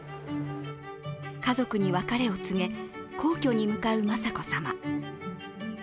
家族に別れを告げ皇居に向かう雅子さま。